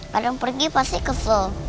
kadang pergi pasti kesel